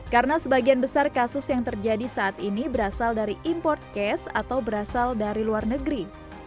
karena sebagian besar kasus yang terjadi saat ini berasal dari import case atau berasal dari luar negeri